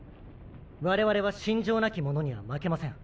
我々は信条なき者には負けません。